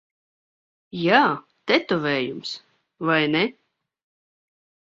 Jā, tetovējums. Vai ne?